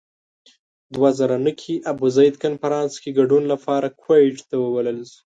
دوه زره نهه کې ابوزید کنفرانس کې ګډون لپاره کویت ته وبلل شو.